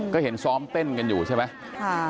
ก็เห็นซ้อมเต้นกันอยู่ใช่ไหม